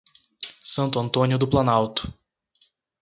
Santo Antônio do Planalto